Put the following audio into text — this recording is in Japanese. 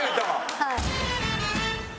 はい。